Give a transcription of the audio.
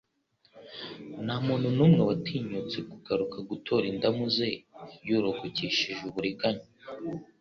Nta muntu n'umwe watinyutse kugaruka gutora indamu ze yurugukishije uburinganya.